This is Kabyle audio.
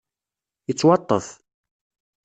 Yettwaṭṭef.